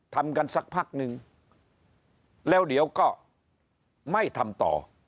ทำกันสักพักนึงแล้วเดี๋ยวก็ไม่ทำต่อ